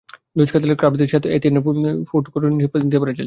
Luiz Catalan ক্লাবটিতে গেলে সেঁত এতিয়েনের ডিফেন্ডার কুর্ট জুমাকে নিতে পারে চেলসি।